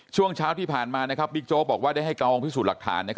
ช่วงเช้าที่ผ่านมาบิ๊กโจ๊กบอกว่าได้ให้กองพิสูจน์หลักฐาน